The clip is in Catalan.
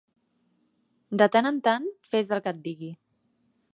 De tan en tan fes el que et digui